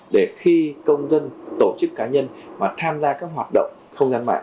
để khi công dân tổ chức cá nhân mà tham gia các hoạt động không gian mạng